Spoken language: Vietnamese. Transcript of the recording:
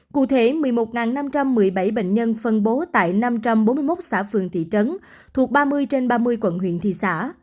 cụ thể một mươi một năm trăm một mươi bảy bệnh nhân phân bố tại năm trăm bốn mươi một xã phường thị trấn thuộc ba mươi trên ba mươi quận huyện thị xã